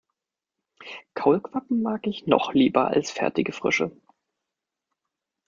Kaulquappen mag ich noch lieber als fertige Frösche.